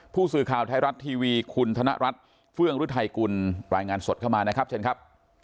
ผู้สื่อข่าวไทยรัฐทีวีคุณธนรัฐเฟื่องฤทัยกุลรายงานสดเข้ามานะครับเชิญครับ